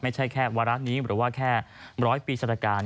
ไม่ใช่แค่วารัฐนี้หรือว่าแค่ร้อยปีชันตการ